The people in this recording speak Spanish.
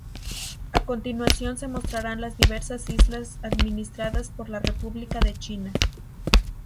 A continuación se mostrarán las diversas islas administradas por la República de China.